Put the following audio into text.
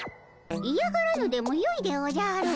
いやがらぬでもよいでおじゃる。